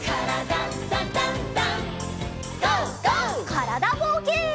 からだぼうけん。